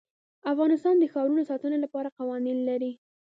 افغانستان د ښارونه د ساتنې لپاره قوانین لري.